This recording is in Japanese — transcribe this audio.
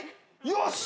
よし。